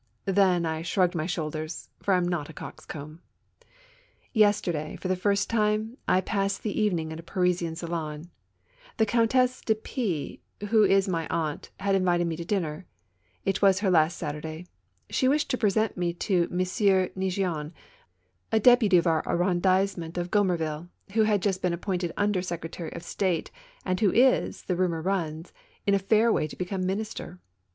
Then, I shrugged my shoulders, for I am not a coxcomb. Yesterday, for the first time, I passed the evening in a Parisian salon. The Countess de P ——, who is my aunt, had invited me to dinner. It was her last Satur day. She wished to present me to M. Neigeon, a deputy of our arrondissement of Gommerville, who has just been appointed Under Secretary of State, and who is, the rumor runs, in a fair way to become Minister.